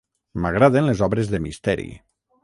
M'agraden les obres de misteri.